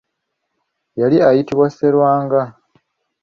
Yali ayitibwa Sserwanga .